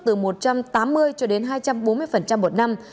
từ một trăm tám mươi cho đến hai trăm bốn mươi một năm